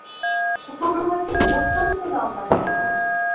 উপগ্রহটি অত্যন্ত লম্বাটে।